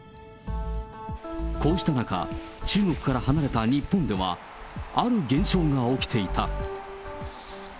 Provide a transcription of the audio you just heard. こうした中、中国から離れた日本では、ある現象が起きていた。